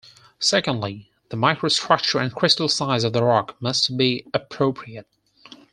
Secondly, the microstructure and crystal size of the rock must be appropriate.